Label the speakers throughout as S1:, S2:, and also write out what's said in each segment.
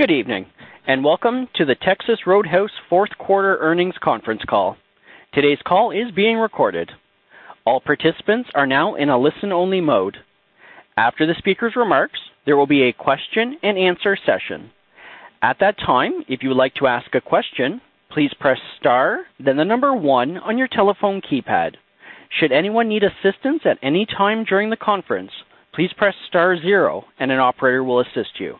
S1: Good evening, and welcome to the Texas Roadhouse fourth quarter earnings conference call. Today's call is being recorded. All participants are now in a listen-only mode. After the speaker's remarks, there will be a question and answer session. At that time, if you would like to ask a question, please press star, then the number one on your telephone keypad. Should anyone need assistance at any time during the conference, please press star zero and an operator will assist you.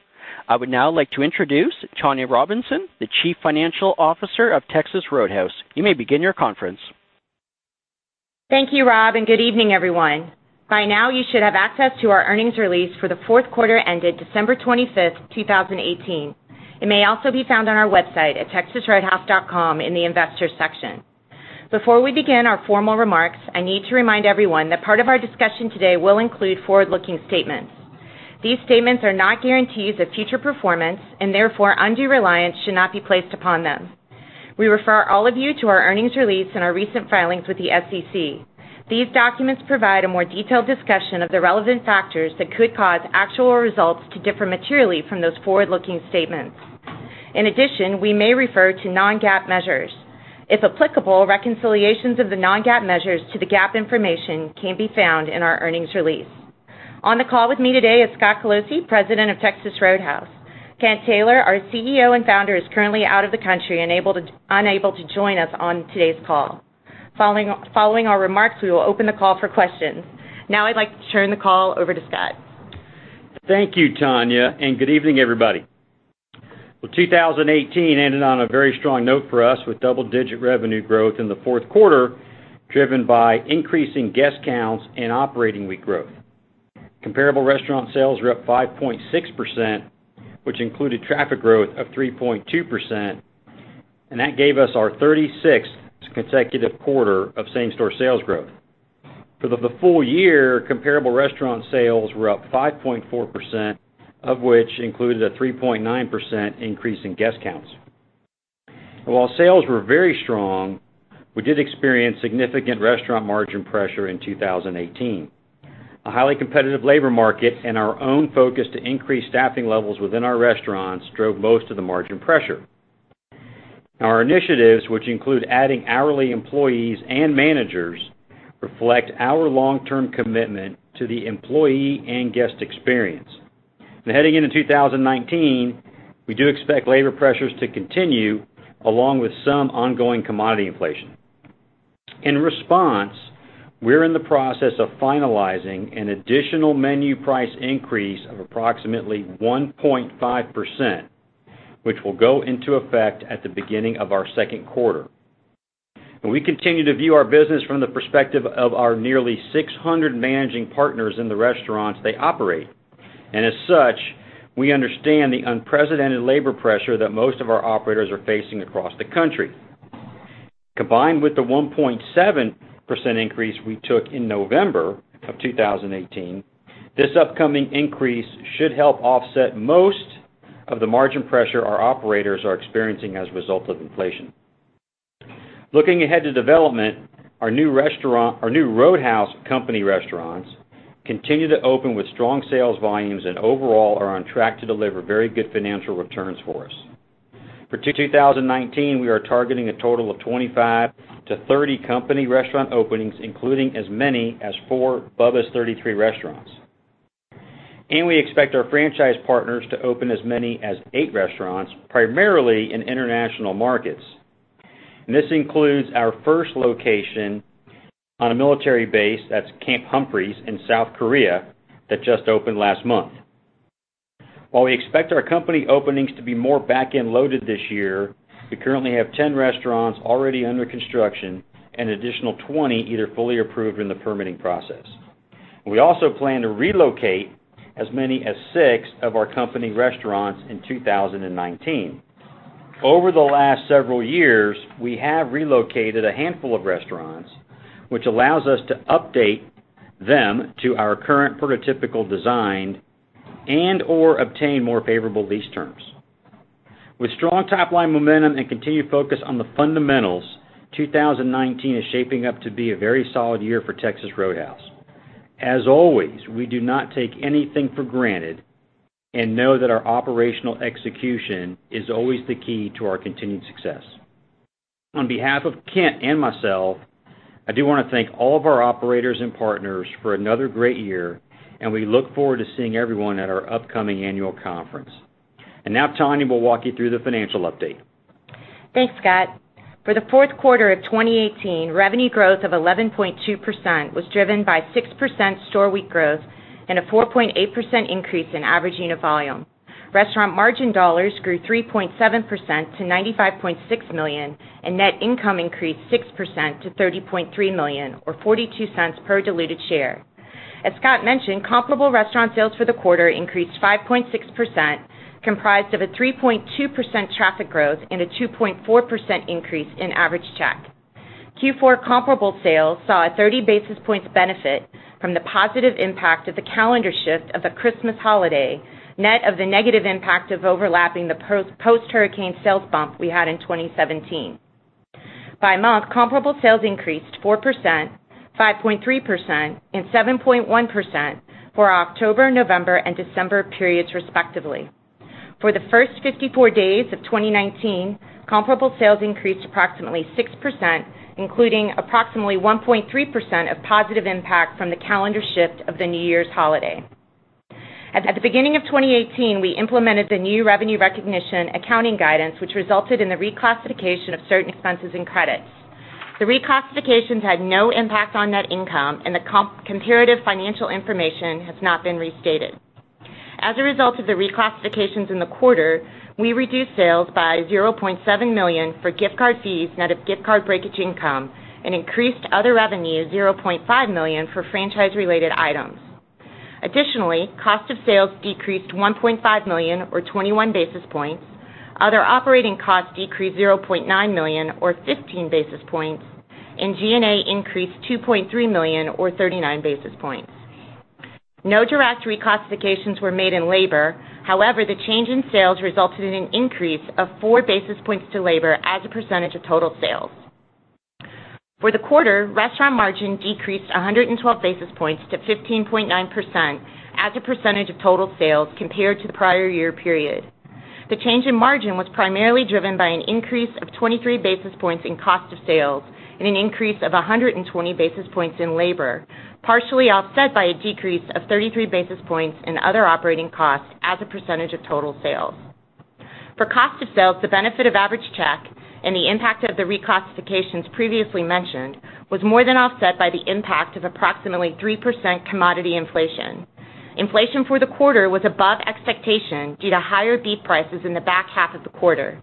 S1: I would now like to introduce Tonya Robinson, the Chief Financial Officer of Texas Roadhouse. You may begin your conference.
S2: Thank you, Rob, and good evening, everyone. By now you should have access to our earnings release for the fourth quarter ended December 25th, 2018. It may also be found on our website at texasroadhouse.com in the Investors section. Before we begin our formal remarks, I need to remind everyone that part of our discussion today will include forward-looking statements. These statements are not guarantees of future performance, and therefore undue reliance should not be placed upon them. We refer all of you to our earnings release and our recent filings with the SEC. These documents provide a more detailed discussion of the relevant factors that could cause actual results to differ materially from those forward-looking statements. In addition, we may refer to non-GAAP measures. If applicable, reconciliations of the non-GAAP measures to the GAAP information can be found in our earnings release. On the call with me today is Scott Colosi, President of Texas Roadhouse. Kent Taylor, our CEO and Founder, is currently out of the country, unable to join us on today's call. Following our remarks, we will open the call for questions. I'd like to turn the call over to Scott.
S3: Thank you, Tonya, and good evening, everybody. 2018 ended on a very strong note for us with double-digit revenue growth in the fourth quarter, driven by increasing guest counts and operating week growth. Comparable restaurant sales were up 5.6%, which included traffic growth of 3.2%, and that gave us our 36th consecutive quarter of same-store sales growth. For the full year, comparable restaurant sales were up 5.4%, of which included a 3.9% increase in guest counts. While sales were very strong, we did experience significant restaurant margin pressure in 2018. A highly competitive labor market and our own focus to increase staffing levels within our restaurants drove most of the margin pressure. Our initiatives, which include adding hourly employees and managers, reflect our long-term commitment to the employee and guest experience. Heading into 2019, we do expect labor pressures to continue, along with some ongoing commodity inflation. In response, we're in the process of finalizing an additional menu price increase of approximately 1.5%, which will go into effect at the beginning of our second quarter. We continue to view our business from the perspective of our nearly 600 managing partners in the restaurants they operate. As such, we understand the unprecedented labor pressure that most of our operators are facing across the country. Combined with the 1.7% increase we took in November of 2018, this upcoming increase should help offset most of the margin pressure our operators are experiencing as a result of inflation. Looking ahead to development, our new Roadhouse company restaurants continue to open with strong sales volumes and overall are on track to deliver very good financial returns for us. For 2019, we are targeting a total of 25 to 30 company restaurant openings, including as many as four Bubba's 33 restaurants. We expect our franchise partners to open as many as eight restaurants, primarily in international markets. This includes our first location on a military base, that's Camp Humphreys in South Korea, that just opened last month. While we expect our company openings to be more back-end loaded this year, we currently have 10 restaurants already under construction and additional 20 either fully approved or in the permitting process. We also plan to relocate as many as six of our company restaurants in 2019. Over the last several years, we have relocated a handful of restaurants, which allows us to update them to our current prototypical design and/or obtain more favorable lease terms. With strong top-line momentum and continued focus on the fundamentals, 2019 is shaping up to be a very solid year for Texas Roadhouse. As always, we do not take anything for granted and know that our operational execution is always the key to our continued success. On behalf of Kent and myself, I do want to thank all of our operators and partners for another great year, and we look forward to seeing everyone at our upcoming annual conference. Now Tonya will walk you through the financial update.
S2: Thanks, Scott. For the fourth quarter of 2018, revenue growth of 11.2% was driven by 6% store week growth and a 4.8% increase in average unit volume. Restaurant margin dollars grew 3.7% to $95.6 million and net income increased 6% to $30.3 million or $0.42 per diluted share. As Scott mentioned, comparable restaurant sales for the quarter increased 5.6%, comprised of a 3.2% traffic growth and a 2.4% increase in average check. Q4 comparable sales saw a 30 basis points benefit from the positive impact of the calendar shift of the Christmas holiday, net of the negative impact of overlapping the post-hurricane sales bump we had in 2017. By month, comparable sales increased 4%, 5.3%, and 7.1% for our October, November, and December periods respectively. For the first 54 days of 2019, comparable sales increased approximately 6%, including approximately 1.3% of positive impact from the calendar shift of the New Year's holiday. At the beginning of 2018, we implemented the new revenue recognition accounting guidance, which resulted in the reclassification of certain expenses and credits. The reclassifications had no impact on net income, and the comparative financial information has not been restated. As a result of the reclassifications in the quarter, we reduced sales by $0.7 million for gift card fees, net of gift card breakage income, and increased other revenue $0.5 million for franchise-related items. Additionally, cost of sales decreased $1.5 million, or 21 basis points. Other operating costs decreased $0.9 million, or 15 basis points, and G&A increased $2.3 million, or 39 basis points. No direct reclassifications were made in labor. The change in sales resulted in an increase of four basis points to labor as a percentage of total sales. For the quarter, restaurant margin decreased 112 basis points to 15.9% as a percentage of total sales compared to the prior year period. The change in margin was primarily driven by an increase of 23 basis points in cost of sales and an increase of 120 basis points in labor, partially offset by a decrease of 33 basis points in other operating costs as a percentage of total sales. For cost of sales, the benefit of average check and the impact of the reclassifications previously mentioned was more than offset by the impact of approximately 3% commodity inflation. Inflation for the quarter was above expectation due to higher beef prices in the back half of the quarter.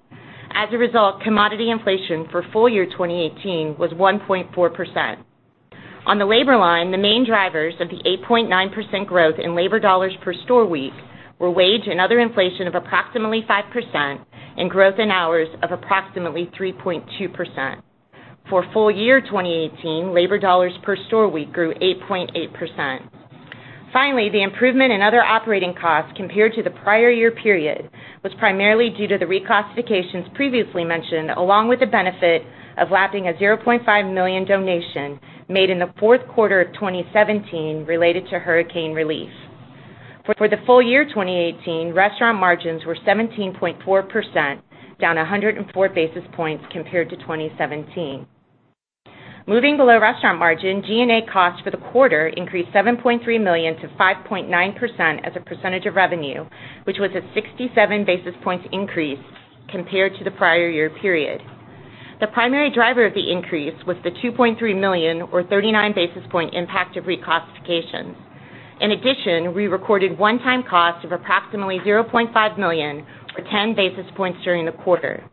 S2: As a result, commodity inflation for full year 2018 was 1.4%. On the labor line, the main drivers of the 8.9% growth in labor dollars per store week were wage and other inflation of approximately 5% and growth in hours of approximately 3.2%. For full year 2018, labor dollars per store week grew 8.8%. The improvement in other operating costs compared to the prior year period was primarily due to the reclassifications previously mentioned, along with the benefit of lapping a $0.5 million donation made in the fourth quarter of 2017 related to hurricane relief. For the full year 2018, restaurant margins were 17.4%, down 104 basis points compared to 2017. Moving below restaurant margin, G&A costs for the quarter increased $7.3 million to 5.9% as a percentage of revenue, which was a 67 basis points increase compared to the prior year period. The primary driver of the increase was the $2.3 million, or 39 basis points impact of reclassifications. We recorded one-time cost of approximately $0.5 million, or 10 basis points during the quarter.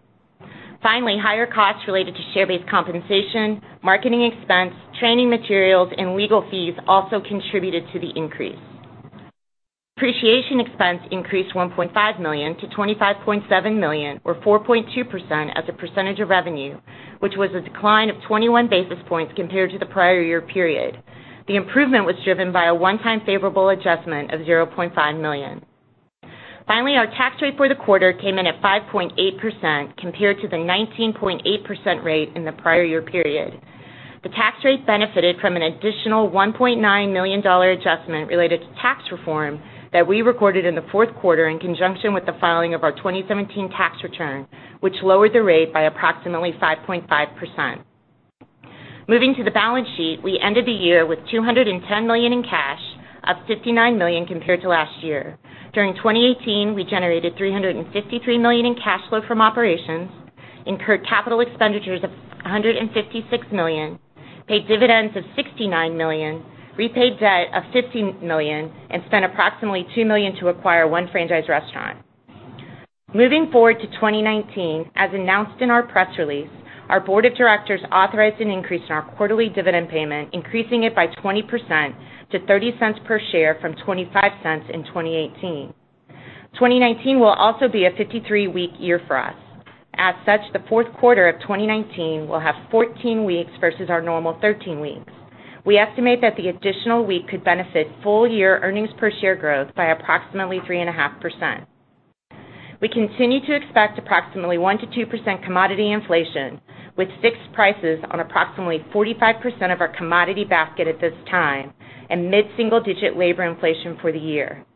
S2: Higher costs related to share-based compensation, marketing expense, training materials, and legal fees also contributed to the increase. Depreciation expense increased $1.5 million to $25.7 million, or 4.2% as a percentage of revenue, which was a decline of 21 basis points compared to the prior year period. The improvement was driven by a one-time favorable adjustment of $0.5 million. Our tax rate for the quarter came in at 5.8% compared to the 19.8% rate in the prior year period. The tax rate benefited from an additional $1.9 million adjustment related to tax reform that we recorded in the fourth quarter in conjunction with the filing of our 2017 tax return, which lowered the rate by approximately 5.5%. Moving to the balance sheet, we ended the year with $210 million in cash, up $59 million compared to last year. During 2018, we generated $353 million in cash flow from operations, incurred capital expenditures of $156 million, paid dividends of $69 million, repaid debt of $50 million, and spent approximately $2 million to acquire one franchise restaurant. Moving forward to 2019, as announced in our press release, our board of directors authorized an increase in our quarterly dividend payment, increasing it by 20% to $0.30 per share from $0.25 in 2018. 2019 will also be a 53-week year for us. As such, the fourth quarter of 2019 will have 14 weeks versus our normal 13 weeks. We estimate that the additional week could benefit full-year earnings per share growth by approximately 3.5%. We continue to expect approximately 1%-2% commodity inflation with fixed prices on approximately 45% of our commodity basket at this time and mid-single-digit labor inflation for the year.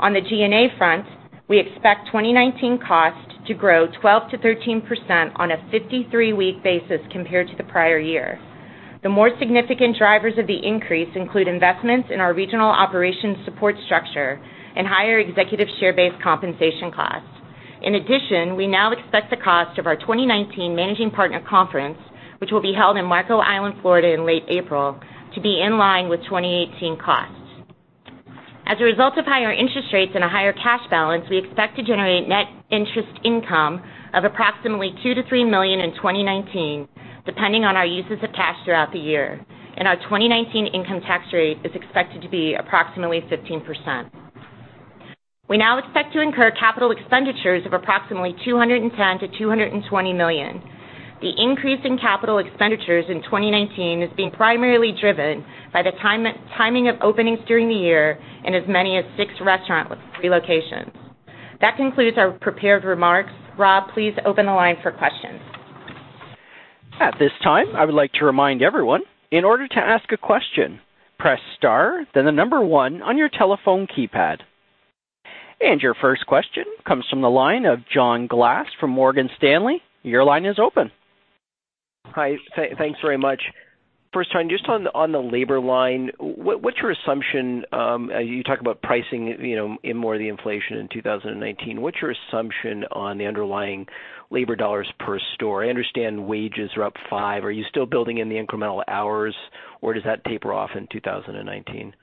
S2: On the G&A front, we expect 2019 costs to grow 12%-13% on a 53-week basis compared to the prior year. The more significant drivers of the increase include investments in our regional operations support structure and higher executive share-based compensation costs. In addition, we now expect the cost of our 2019 Managing Partner Conference, which will be held in Marco Island, Florida, in late April, to be in line with 2018 costs. As a result of higher interest rates and a higher cash balance, we expect to generate net interest income of approximately $2 million-$3 million in 2019, depending on our uses of cash throughout the year. Our 2019 income tax rate is expected to be approximately 15%. We now expect to incur capital expenditures of approximately $210 million-$220 million. The increase in capital expenditures in 2019 is being primarily driven by the timing of openings during the year and as many as six restaurant relocations. That concludes our prepared remarks. Rob, please open the line for questions.
S1: At this time, I would like to remind everyone, in order to ask a question, press star, then the number one on your telephone keypad. Your first question comes from the line of John Glass from Morgan Stanley. Your line is open.
S4: Hi. Thanks very much. First time, just on the labor line, what's your assumption? You talk about pricing in more of the inflation in 2019. What's your assumption on the underlying labor dollars per store? I understand wages are up 5%. Are you still building in the incremental hours or does that taper off in 2019?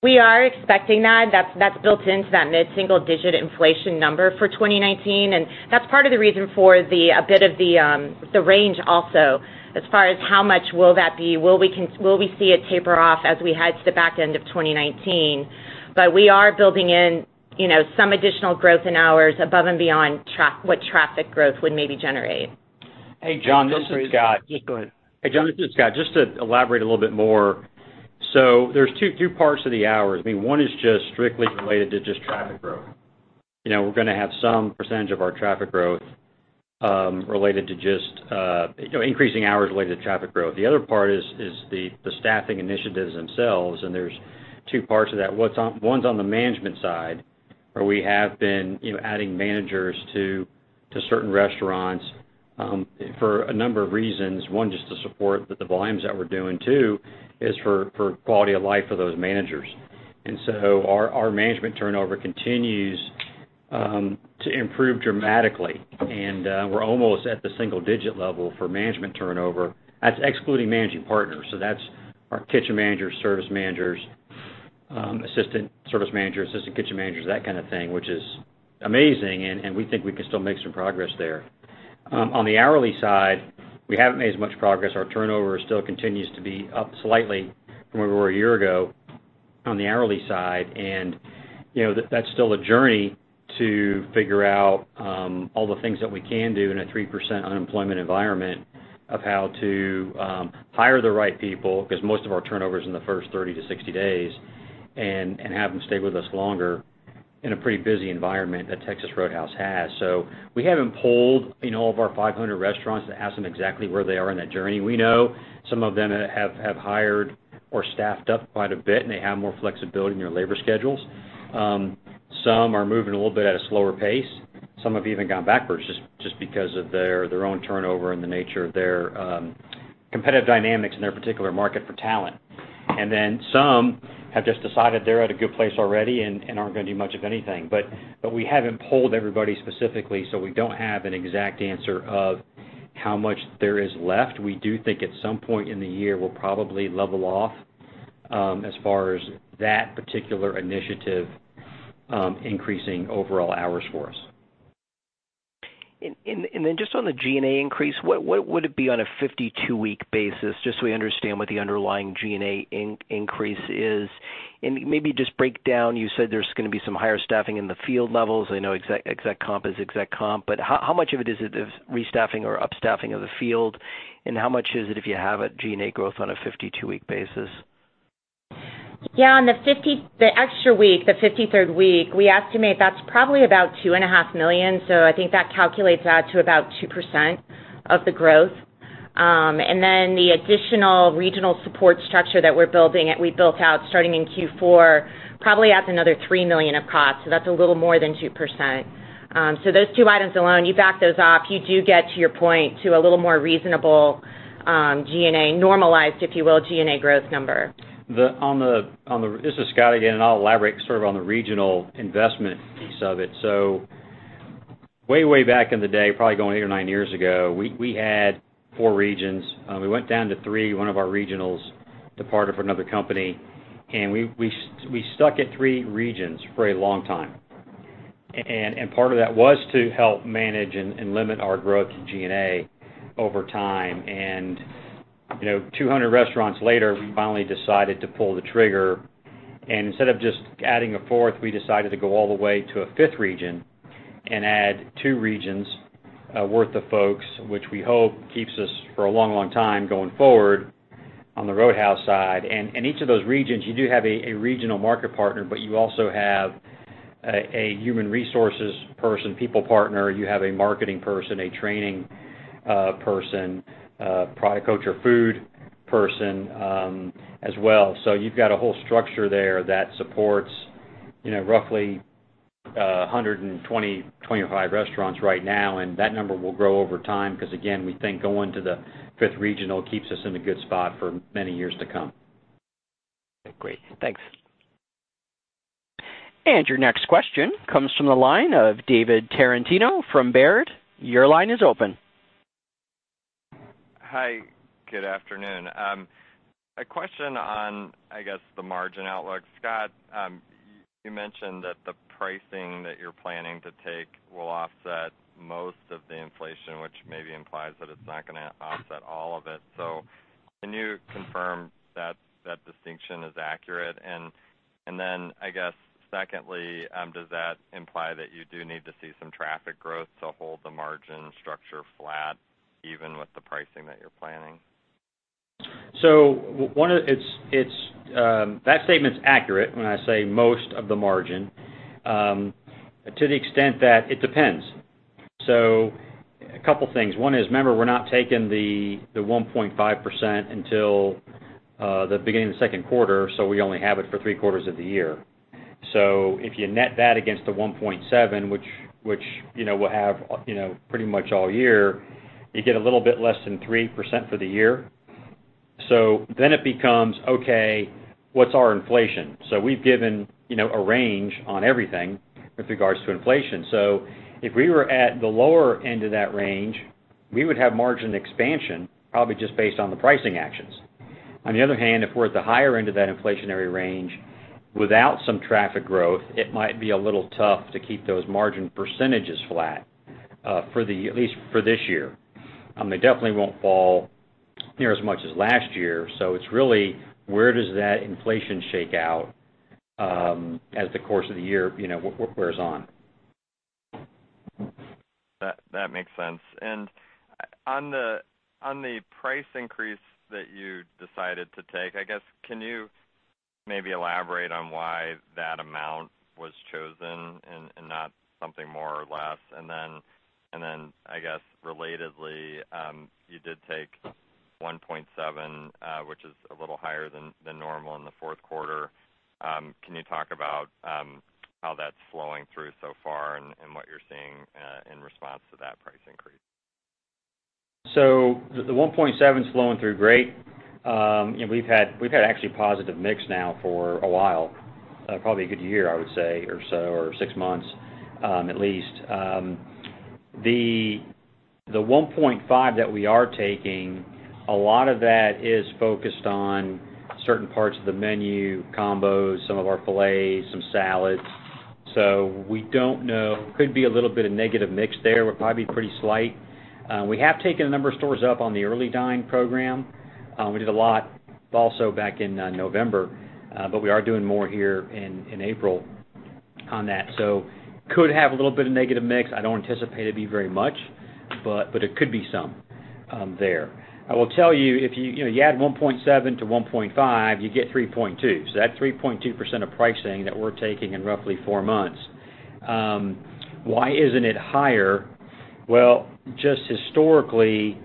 S2: We are expecting that. That's built into that mid-single digit inflation number for 2019, and that's part of the reason for a bit of the range also as far as how much will that be? Will we see it taper off as we head to the back end of 2019? We are building in some additional growth in hours above and beyond what traffic growth would maybe generate.
S3: Hey, John, this is Scott.
S4: Yes, go ahead.
S3: Hey, John, this is Scott. Just to elaborate a little bit more. There's two parts to the hours. One is just strictly related to just traffic growth. We're going to have some percentage of our traffic growth related to just increasing hours related to traffic growth. The other part is the staffing initiatives themselves. There's two parts to that. One's on the management side, where we have been adding managers to certain restaurants for a number of reasons. One, just to support the volumes that we're doing. Two, is for quality of life for those managers. Our management turnover continues to improve dramatically, and we're almost at the single digit level for management turnover. That's excluding managing partners. That's our kitchen managers, service managers, assistant service managers, assistant kitchen managers, that kind of thing, which is amazing, and we think we can still make some progress there. On the hourly side, we haven't made as much progress. Our turnover still continues to be up slightly from where we were a year ago on the hourly side. That's still a journey to figure out all the things that we can do in a 3% unemployment environment of how to hire the right people, because most of our turnover is in the first 30 to 60 days, and have them stay with us longer in a pretty busy environment that Texas Roadhouse has. We haven't polled all of our 500 restaurants to ask them exactly where they are in that journey. We know some of them have hired or staffed up quite a bit, and they have more flexibility in their labor schedules. Some are moving a little bit at a slower pace. Some have even gone backwards just because of their own turnover and the nature of their competitive dynamics in their particular market for talent. Some have just decided they're at a good place already and aren't going to do much of anything. We haven't polled everybody specifically, so we don't have an exact answer of how much there is left. We do think at some point in the year, we'll probably level off as far as that particular initiative increasing overall hours for us.
S4: Just on the G&A increase, what would it be on a 52-week basis, just so we understand what the underlying G&A increase is? Maybe just break down, you said there's going to be some higher staffing in the field levels. I know exec comp is exec comp, how much of it is restaffing or up staffing of the field, and how much is it if you have a G&A growth on a 52-week basis?
S2: On the extra week, the 53rd week, we estimate that's probably about $2.5 million. I think that calculates out to about 2% of the growth. The additional regional support structure that we built out starting in Q4 probably adds another $3 million of cost. That's a little more than 2%. Those two items alone, you back those off, you do get to your point to a little more reasonable G&A, normalized, if you will, G&A growth number.
S3: This is Scott again, I'll elaborate sort of on the regional investment piece of it. Way back in the day, probably going eight or nine years ago, we had four regions. We went down to three. One of our regionals departed for another company, we stuck at three regions for a long time. Part of that was to help manage and limit our growth in G&A over time. 200 restaurants later, we finally decided to pull the trigger. Instead of just adding a fourth, we decided to go all the way to a fifth region and add two regions worth of folks, which we hope keeps us for a long time going forward on the Roadhouse side. In each of those regions, you do have a regional market partner, but you also have a human resources person, people partner. You have a marketing person, a training person, product culture, food person as well. You've got a whole structure there that supports roughly 120, 125 restaurants right now, and that number will grow over time because, again, we think going to the fifth regional keeps us in a good spot for many years to come.
S4: Great. Thanks.
S1: Your next question comes from the line of David Tarantino from Baird. Your line is open.
S5: Hi. Good afternoon. A question on, I guess, the margin outlook. Scott, you mentioned that the pricing that you're planning to take will offset most of the inflation, which maybe implies that it's not going to offset all of it. Can you confirm that that distinction is accurate? I guess secondly, does that imply that you do need to see some traffic growth to hold the margin structure flat even with the pricing that you're planning?
S3: That statement's accurate when I say most of the margin, to the extent that it depends. A couple things. One is, remember, we're not taking the 1.5% until the beginning of the second quarter, we only have it for three quarters of the year. If you net that against the 1.7%, which we'll have pretty much all year, you get a little bit less than 3% for the year. Then it becomes, okay, what's our inflation? We've given a range on everything with regards to inflation. If we were at the lower end of that range, we would have margin expansion, probably just based on the pricing actions. On the other hand, if we're at the higher end of that inflationary range, without some traffic growth, it might be a little tough to keep those margin percentages flat, at least for this year. They definitely won't fall near as much as last year. It's really where does that inflation shake out as the course of the year wears on.
S5: That makes sense. On the price increase that you decided to take, I guess, can you maybe elaborate on why that amount was chosen and not something more or less? Relatedly, you did take 1.7, which is a little higher than normal in the fourth quarter. Can you talk about how that's flowing through so far and what you're seeing in response to that price increase?
S3: The 1.7 is flowing through great. We've had actually positive mix now for a while, probably a good year, I would say, or so, or six months at least. The 1.5 that we are taking, a lot of that is focused on certain parts of the menu Combos, some of our Filet, some Salads. We don't know. Could be a little bit of negative mix there. Would probably be pretty slight. We have taken a number of stores up on the Early Dine program. We did a lot also back in November. We are doing more here in April on that. Could have a little bit of negative mix. I don't anticipate it to be very much, but it could be some there. I will tell you, if you add 1.7 to 1.5, you get 3.2. That's 3.2% of pricing that we're taking in roughly four months. Why isn't it higher? Just historically,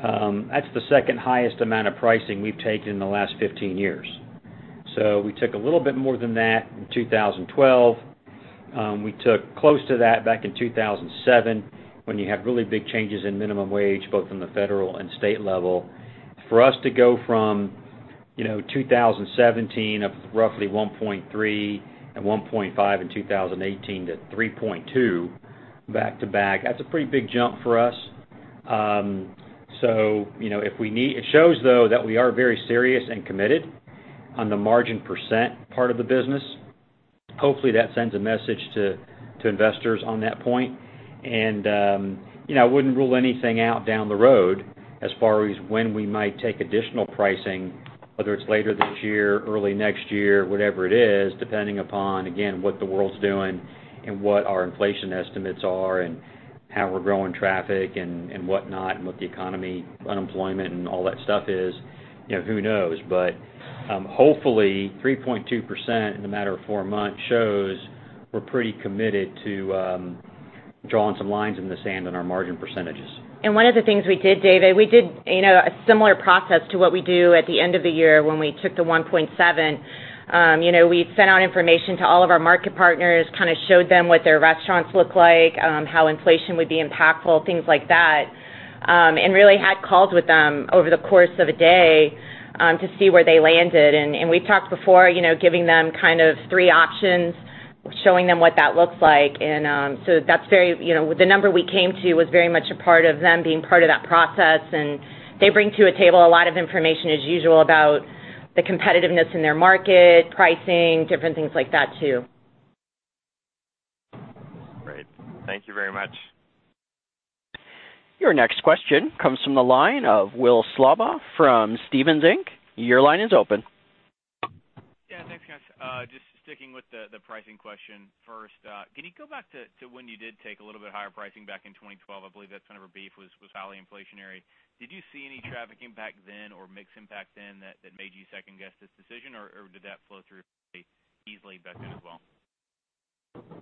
S3: that's the second highest amount of pricing we've taken in the last 15 years. We took a little bit more than that in 2012. We took close to that back in 2007, when you had really big changes in minimum wage, both in the federal and state level. For us to go from 2017 of roughly 1.3 and 1.5 in 2018 to 3.2 back-to-back, that's a pretty big jump for us. It shows, though, that we are very serious and committed on the margin percent part of the business. Hopefully, that sends a message to investors on that point. I wouldn't rule anything out down the road as far as when we might take additional pricing, whether it's later this year, early next year, whatever it is, depending upon, again, what the world's doing and what our inflation estimates are and how we're growing traffic and whatnot, and what the economy, unemployment, and all that stuff is. Who knows? Hopefully 3.2% in a matter of four months shows we're pretty committed to drawing some lines in the sand on our margin percentages.
S2: One of the things we did, David, we did a similar process to what we do at the end of the year when we took the 1.7%. We sent out information to all of our market partners, kind of showed them what their restaurants look like, how inflation would be impactful, things like that, and really had calls with them over the course of a day to see where they landed. We've talked before, giving them kind of three options, showing them what that looks like. The number we came to was very much a part of them being part of that process, and they bring to a table a lot of information as usual about the competitiveness in their market, pricing, different things like that too.
S5: Great. Thank you very much.
S1: Your next question comes from the line of Will Slabaugh from Stephens Inc. Your line is open.
S6: Yeah, thanks guys. Just sticking with the pricing question first. Can you go back to when you did take a little bit higher pricing back in 2012? I believe that's kind of our beef, was highly inflationary. Did you see any traffic impact then or mix impact then that made you second guess this decision, or did that flow through pretty easily back then as well?
S2: Yeah,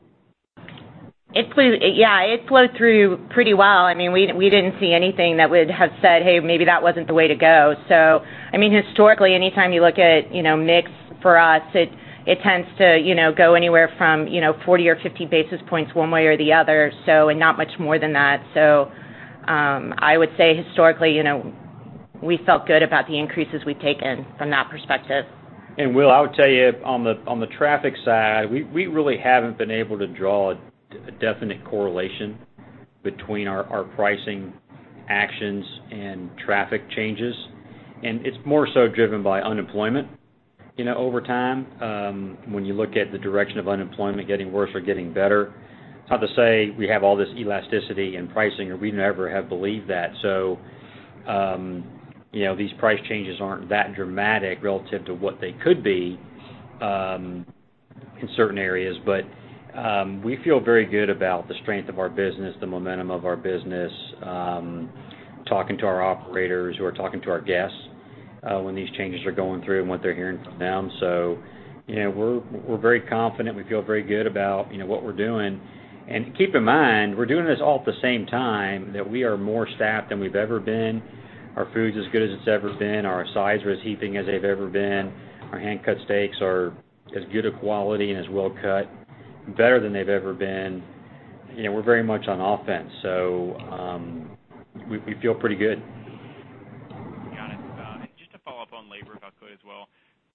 S2: it flowed through pretty well. We didn't see anything that would have said, "Hey, maybe that wasn't the way to go." Historically, anytime you look at mix for us, it tends to go anywhere from 40 or 50 basis points one way or the other, and not much more than that. I would say historically, we felt good about the increases we've taken from that perspective.
S3: Will, I would tell you on the traffic side, we really haven't been able to draw a definite correlation between our pricing actions and traffic changes. It's more so driven by unemployment over time. When you look at the direction of unemployment getting worse or getting better. Not to say we have all this elasticity in pricing, or we never have believed that. These price changes aren't that dramatic relative to what they could be in certain areas. We feel very good about the strength of our business, the momentum of our business, talking to our operators. We're talking to our guests when these changes are going through and what they're hearing from them. We're very confident. We feel very good about what we're doing. Keep in mind, we're doing this all at the same time that we are more staffed than we've ever been. Our food's as good as it's ever been. Our sides are as heaping as they've ever been. Our hand-cut steaks are as good a quality and as well cut, better than they've ever been. We're very much on offense. We feel pretty good.
S6: Got it. Just to follow up on labor, if I could as well,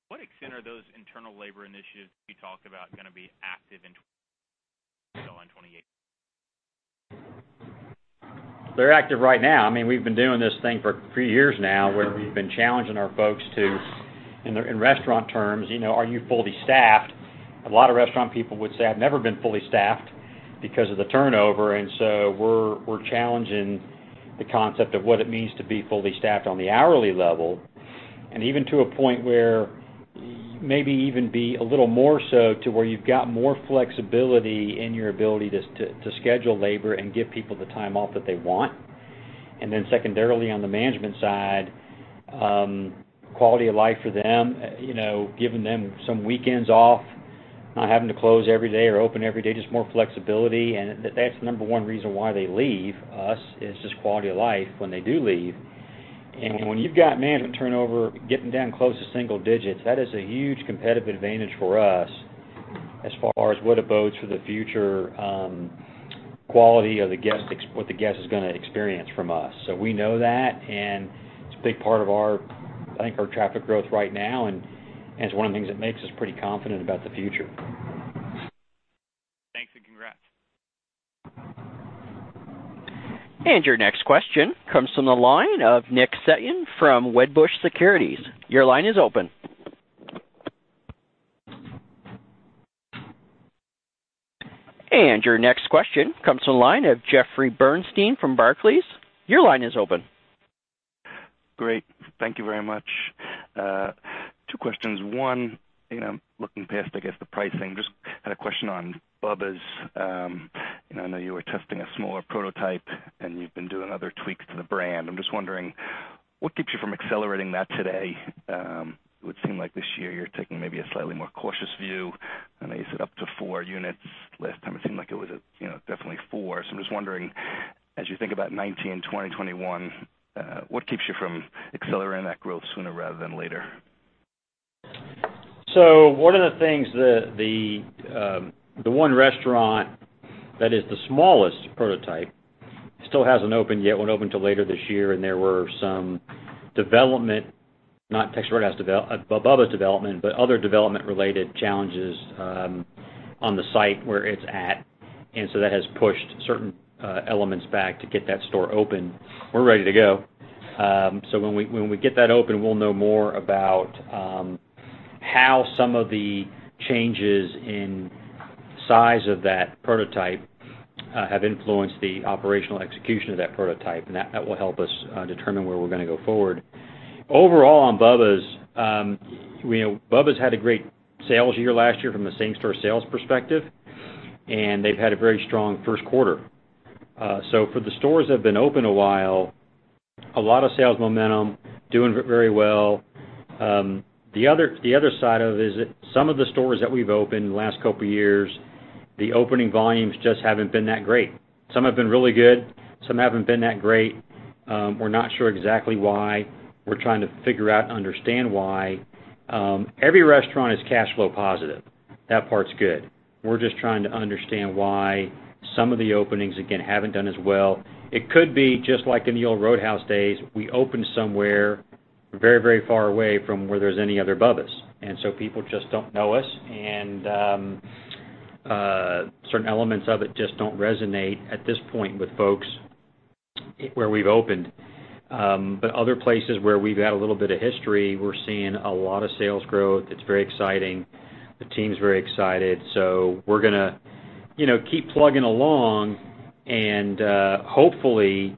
S6: what extent are those internal labor initiatives that you talked about going to be active in 2028?
S3: They're active right now. We've been doing this thing for a few years now, where we've been challenging our folks to, in restaurant terms, are you fully staffed? A lot of restaurant people would say, "I've never been fully staffed," because of the turnover. So we're challenging the concept of what it means to be fully staffed on the hourly level. Even to a point where maybe even be a little more so to where you've got more flexibility in your ability to schedule labor and give people the time off that they want. Secondarily, on the management side, quality of life for them, giving them some weekends off, not having to close every day or open every day, just more flexibility. That's the number one reason why they leave us, is just quality of life, when they do leave. When you've got management turnover getting down close to single digits, that is a huge competitive advantage for us as far as what it bodes for the future quality of what the guest is going to experience from us. We know that, and it's a big part of, I think, our traffic growth right now, and it's one of the things that makes us pretty confident about the future.
S6: Thanks, congrats.
S1: Your next question comes from the line of Nick Setyan from Wedbush Securities. Your line is open. Your next question comes from the line of Jeffrey Bernstein from Barclays. Your line is open.
S7: Great. Thank you very much. Two questions. One, looking past, I guess, the pricing, just had a question on Bubba's. I know you were testing a smaller prototype, and you've been doing other tweaks to the brand. I'm just wondering, what keeps you from accelerating that today? It would seem like this year you're taking maybe a slightly more cautious view. I know you said up to four units. Last time, it seemed like it was definitely four. I'm just wondering, as you think about 2019, 2020, 2021, what keeps you from accelerating that growth sooner rather than later?
S3: One of the things, the one restaurant that is the smallest prototype still hasn't opened yet, won't open till later this year, and there were some development, not Bubba's development, but other development-related challenges on the site where it's at. That has pushed certain elements back to get that store open. We're ready to go. When we get that open, we'll know more about how some of the changes in size of that prototype have influenced the operational execution of that prototype, and that will help us determine where we're going to go forward. Overall on Bubba's had a great sales year last year from a same-store sales perspective, and they've had a very strong first quarter. For the stores that have been open a while, a lot of sales momentum, doing very well. The other side of it is that some of the stores that we've opened in the last couple of years, the opening volumes just haven't been that great. Some have been really good. Some haven't been that great. We're not sure exactly why. We're trying to figure out and understand why. Every restaurant is cash flow positive. That part's good. We're just trying to understand why some of the openings, again, haven't done as well. It could be just like in the old Roadhouse days, we opened somewhere very far away from where there's any other Bubba's. People just don't know us, and certain elements of it just don't resonate at this point with folks where we've opened. Other places where we've had a little bit of history, we're seeing a lot of sales growth. It's very exciting. The team's very excited. We're going to keep plugging along and hopefully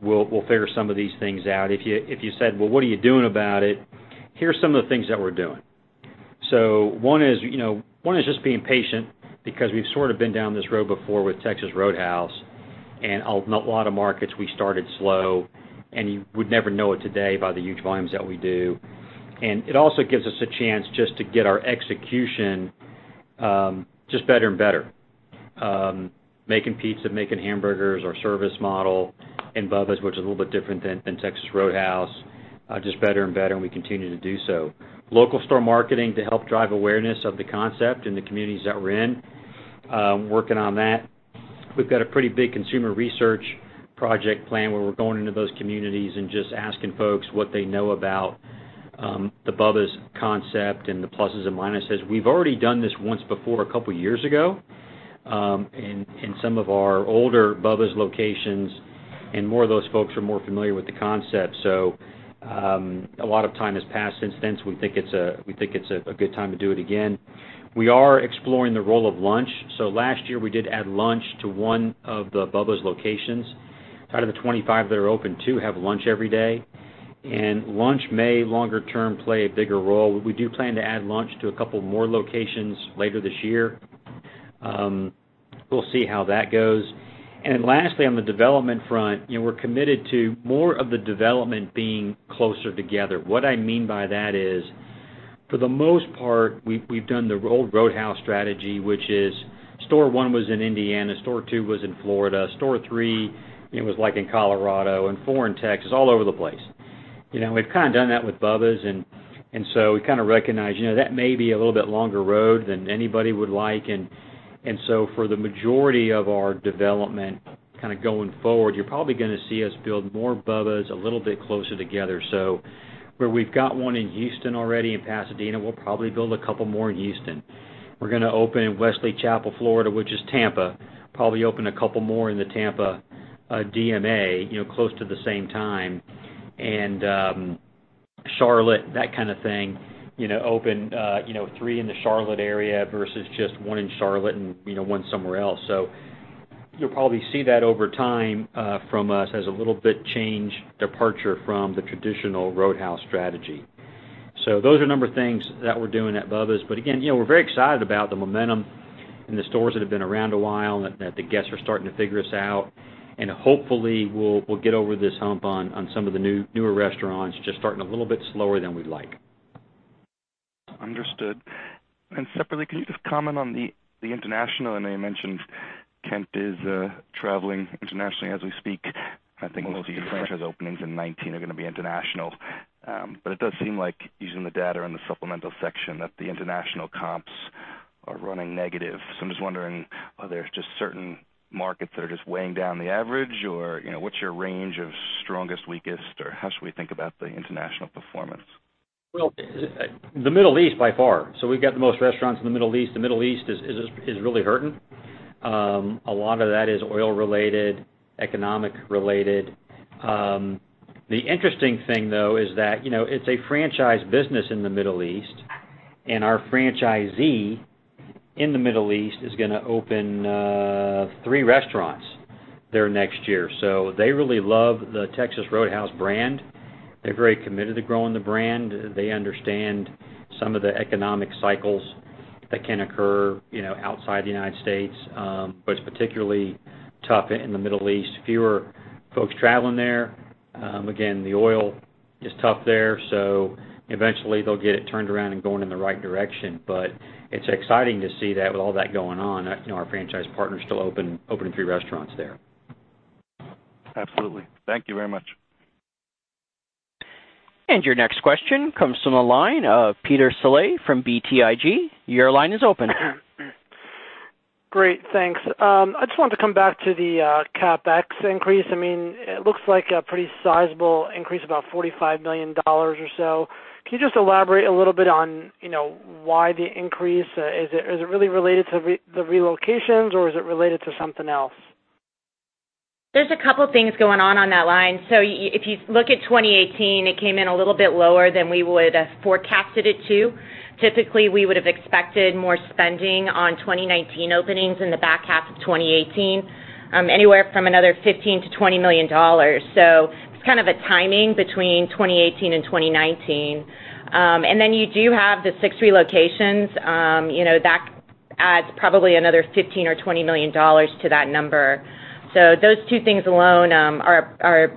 S3: we'll figure some of these things out. If you said, "Well, what are you doing about it?" Here's some of the things that we're doing. One is just being patient because we've sort of been down this road before with Texas Roadhouse. In a lot of markets, we started slow, and you would never know it today by the huge volumes that we do. It also gives us a chance just to get our execution just better and better. Making pizza, making hamburgers, our service model in Bubba's, which is a little bit different than Texas Roadhouse, just better and better, and we continue to do so. Local store marketing to help drive awareness of the concept in the communities that we're in, working on that. We've got a pretty big consumer research project plan where we're going into those communities and just asking folks what they know about the Bubba's concept and the pluses and minuses. We've already done this once before a couple of years ago in some of our older Bubba's locations, more of those folks are more familiar with the concept. A lot of time has passed since then, we think it's a good time to do it again. We are exploring the role of lunch. Last year, we did add lunch to one of the Bubba's locations. Out of the 25 that are open, two have lunch every day. Lunch may, longer term, play a bigger role. We do plan to add lunch to a couple more locations later this year. We'll see how that goes. Lastly, on the development front, we're committed to more of the development being closer together. What I mean by that is, for the most part, we've done the old Roadhouse strategy, which is store one was in Indiana, store two was in Florida, store three was in Colorado, and four in Texas, all over the place. We've kind of done that with Bubba's, we kind of recognize, that may be a little bit longer road than anybody would like. For the majority of our development kind of going forward, you're probably going to see us build more Bubba's a little bit closer together. Where we've got one in Houston already and Pasadena, we'll probably build a couple more in Houston. We're going to open in Wesley Chapel, Florida, which is Tampa. Probably open a couple more in the Tampa DMA, close to the same time. Charlotte, that kind of thing, open three in the Charlotte area versus just one in Charlotte and one somewhere else. You'll probably see that over time from us as a little bit change departure from the traditional Roadhouse strategy. Those are a number of things that we're doing at Bubba's, but again, we're very excited about the momentum and the stores that have been around a while and that the guests are starting to figure us out. Hopefully we'll get over this hump on some of the newer restaurants just starting a little bit slower than we'd like.
S7: Understood. Separately, can you just comment on the international? I know you mentioned Kent is traveling internationally as we speak. I think most of the franchise openings in 2019 are going to be international. It does seem like using the data in the supplemental section that the international comps are running negative. I'm just wondering, are there just certain markets that are just weighing down the average, or what's your range of strongest, weakest, or how should we think about the international performance?
S3: The Middle East by far. We've got the most restaurants in the Middle East. The Middle East is really hurting. A lot of that is oil related, economic related. The interesting thing, though, is that it's a franchise business in the Middle East, and our franchisee in the Middle East is going to open three restaurants there next year. They really love the Texas Roadhouse brand. They're very committed to growing the brand. They understand some of the economic cycles that can occur outside the United States. It's particularly tough in the Middle East, fewer folks traveling there. Again, the oil is tough there, eventually they'll get it turned around and going in the right direction. It's exciting to see that with all that going on, our franchise partners still opening three restaurants there.
S7: Absolutely. Thank you very much.
S1: Your next question comes from the line of Peter Saleh from BTIG. Your line is open.
S8: Great, thanks. I just wanted to come back to the CapEx increase. It looks like a pretty sizable increase, about $45 million or so. Can you just elaborate a little bit on why the increase? Is it really related to the relocations, or is it related to something else?
S2: There's a couple things going on on that line. If you look at 2018, it came in a little bit lower than we would have forecasted it to. Typically, we would have expected more spending on 2019 openings in the back half of 2018, anywhere from another $15 million-$20 million. It's kind of a timing between 2018 and 2019. You do have the six relocations. That adds probably another $15 million or $20 million to that number. Those two things alone are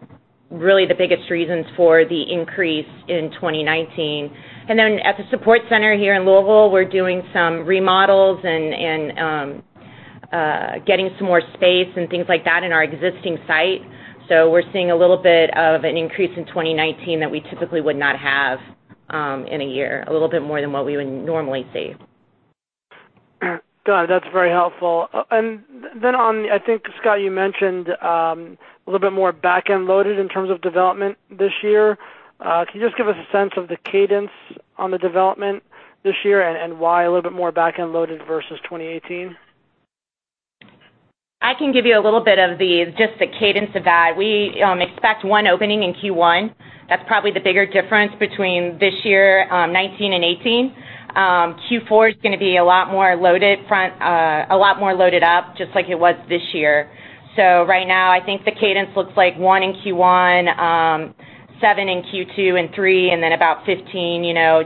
S2: really the biggest reasons for the increase in 2019. At the support center here in Louisville, we're doing some remodels and getting some more space and things like that in our existing site. We're seeing a little bit of an increase in 2019 that we typically would not have in a year, a little bit more than what we would normally see.
S8: Got it. That's very helpful. On, I think, Scott, you mentioned a little bit more back-end loaded in terms of development this year. Can you just give us a sense of the cadence on the development this year and why a little bit more back-end loaded versus 2018?
S2: I can give you a little bit of just the cadence of that. We expect one opening in Q1. That's probably the bigger difference between this year 2019 and 2018. Q4 is going to be a lot more loaded up, just like it was this year. Right now, I think the cadence looks like one in Q1, seven in Q2 and three, then about 15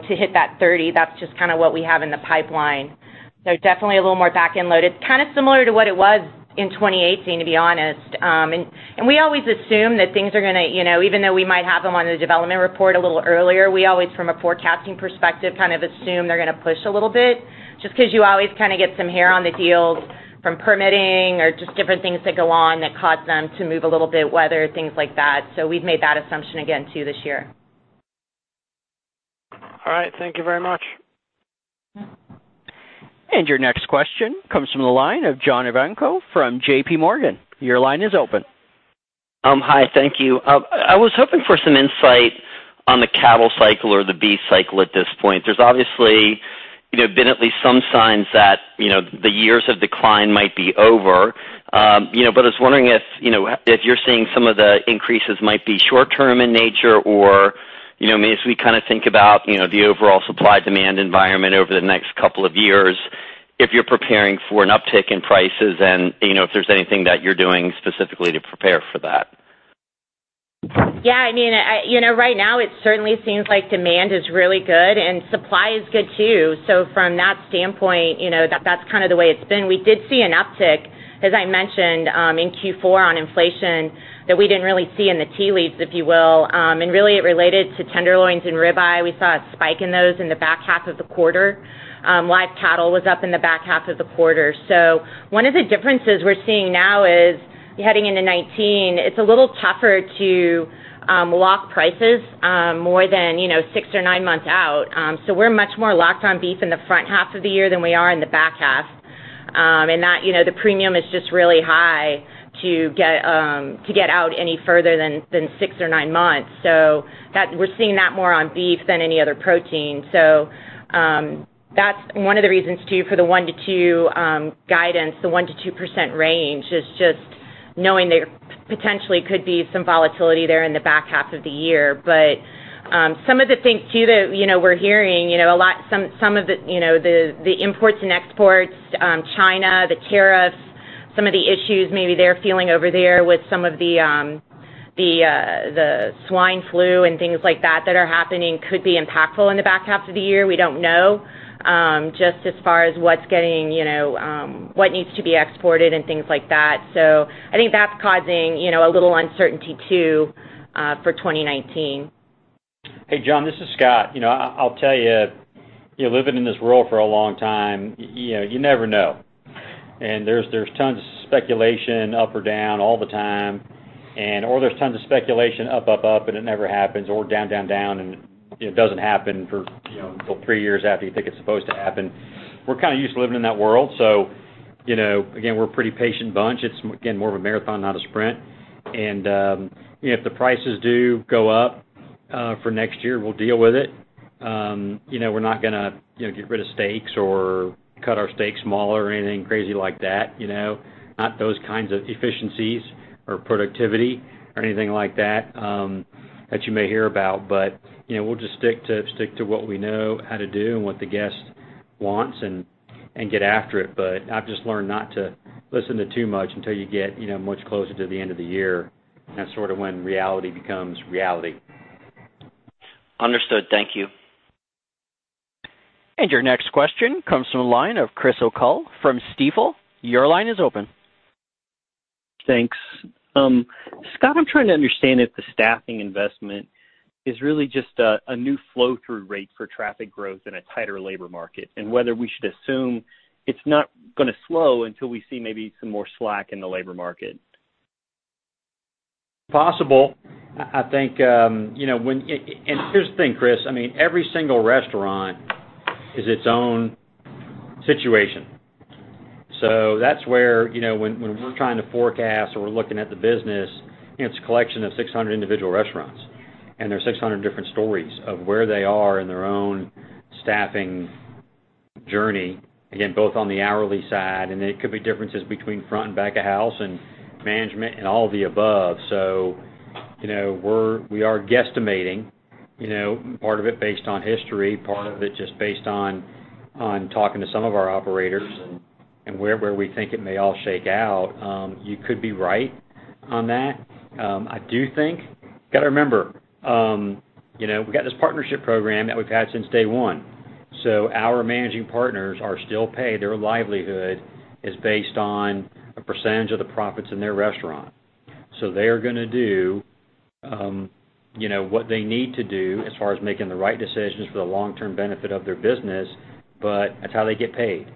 S2: to hit that 30. That's just kind of what we have in the pipeline. Definitely a little more back-end loaded. Kind of similar to what it was in 2018, to be honest. We always assume that things are going to, even though we might have them on the development report a little earlier, we always, from a forecasting perspective, kind of assume they're going to push a little bit just because you always kind of get some hair on the deals from permitting or just different things that go on that cause them to move a little bit, weather, things like that. We've made that assumption again, too, this year.
S8: All right. Thank you very much.
S1: Your next question comes from the line of John Ivankoe from JPMorgan. Your line is open.
S9: Hi, thank you. I was hoping for some insight on the cattle cycle or the beef cycle at this point. There's obviously been at least some signs that the years of decline might be over. I was wondering if you're seeing some of the increases might be short term in nature, or may as we kind of think about the overall supply-demand environment over the next couple of years. If you're preparing for an uptick in prices and if there's anything that you're doing specifically to prepare for that.
S2: Yeah. Right now, it certainly seems like demand is really good, and supply is good too. From that standpoint, that's kind of the way it's been. We did see an uptick, as I mentioned, in Q4 on inflation that we didn't really see in the tea leaves, if you will. Really, it related to tenderloins and rib eye. We saw a spike in those in the back half of the quarter. Live cattle was up in the back half of the quarter. One of the differences we're seeing now is heading into 2019, it's a little tougher to lock prices more than six or nine months out. We're much more locked on beef in the front half of the year than we are in the back half. The premium is just really high to get out any further than six or nine months. We're seeing that more on beef than any other protein. That's one of the reasons too for the one to two guidance, the 1%-2% range is just knowing there potentially could be some volatility there in the back half of the year. Some of the things too that we're hearing, the imports and exports, China, the tariffs, some of the issues maybe they're feeling over there with some of the swine flu and things like that that are happening could be impactful in the back half of the year. We don't know, just as far as what needs to be exported and things like that. I think that's causing a little uncertainty too for 2019.
S3: Hey, John, this is Scott. I'll tell you, living in this world for a long time, you never know. There's tons of speculation up or down all the time. There's tons of speculation up, up, and it never happens, or down, down, and it doesn't happen for three years after you think it's supposed to happen. We're kind of used to living in that world. Again, we're a pretty patient bunch. It's, again, more of a marathon, not a sprint. If the prices do go up for next year, we'll deal with it. We're not going to get rid of steaks or cut our steaks smaller or anything crazy like that. Not those kinds of efficiencies or productivity or anything like that that you may hear about. We'll just stick to what we know how to do and what the guest wants and get after it. I've just learned not to listen to too much until you get much closer to the end of the year. That's sort of when reality becomes reality.
S9: Understood. Thank you.
S1: Your next question comes from the line of Chris O'Cull from Stifel. Your line is open.
S10: Thanks. Scott, I'm trying to understand if the staffing investment is really just a new flow-through rate for traffic growth in a tighter labor market, and whether we should assume it's not going to slow until we see maybe some more slack in the labor market.
S3: Possible. Here's the thing, Chris, every single restaurant is its own situation. That's where when we're trying to forecast or we're looking at the business, it's a collection of 600 individual restaurants, and there's 600 different stories of where they are in their own staffing journey, again, both on the hourly side, and it could be differences between front and back of house and management and all of the above. We are guesstimating, part of it based on history, part of it just based on talking to some of our operators and where we think it may all shake out. You could be right on that. You got to remember we've got this partnership program that we've had since day one. Our managing partners are still paid. Their livelihood is based on a percentage of the profits in their restaurant. They're going to do what they need to do as far as making the right decisions for the long-term benefit of their business, but that's how they get paid.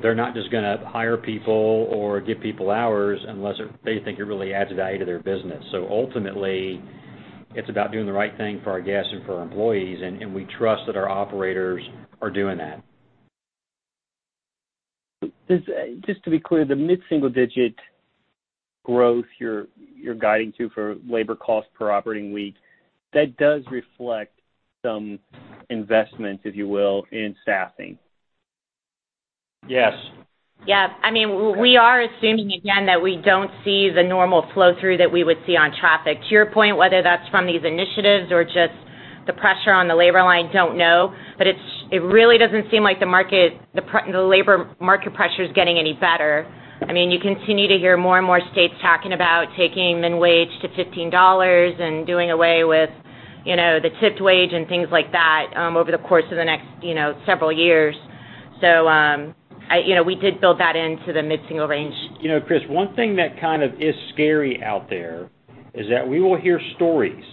S3: They're not just going to hire people or give people hours unless they think it really adds value to their business. Ultimately, it's about doing the right thing for our guests and for our employees, and we trust that our operators are doing that.
S10: Just to be clear, the mid-single-digit growth you're guiding to for labor cost per operating week, that does reflect some investment, if you will, in staffing.
S3: Yes.
S2: We are assuming, again, that we don't see the normal flow-through that we would see on traffic. To your point, whether that's from these initiatives or just the pressure on the labor line, don't know. It really doesn't seem like the labor market pressure is getting any better. You continue to hear more and more states talking about taking the wage to $15 and doing away with the tipped wage and things like that over the course of the next several years. We did build that into the mid-single range.
S3: Chris, one thing that kind of is scary out there is that we will hear stories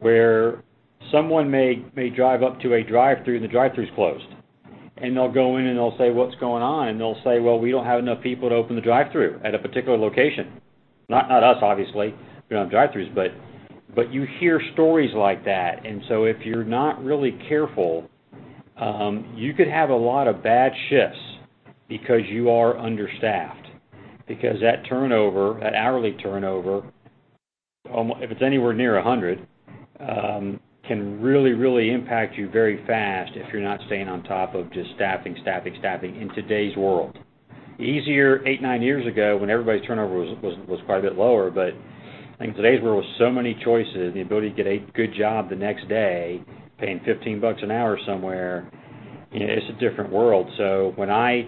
S3: where someone may drive up to a drive-through and the drive-through's closed. They'll go in, and they'll say, "What's going on?" They'll say, "Well, we don't have enough people to open the drive-through" at a particular location. Not us, obviously. We don't have drive-throughs. You hear stories like that. If you're not really careful, you could have a lot of bad shifts because you are understaffed. That turnover, that hourly turnover, if it's anywhere near 100, can really impact you very fast if you're not staying on top of just staffing in today's world. Easier eight, nine years ago, when everybody's turnover was quite a bit lower. I think today's world, with so many choices, the ability to get a good job the next day paying $15 an hour somewhere, it's a different world. When I